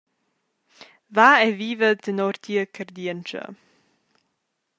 Va e viva tenor tia cardientscha.